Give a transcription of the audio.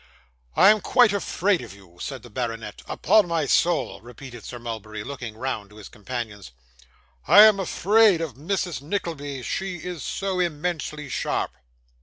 'I am quite afraid of you,' said the baronet. 'Upon my soul,' repeated Sir Mulberry, looking round to his companions; 'I am afraid of Mrs Nickleby. She is so immensely sharp.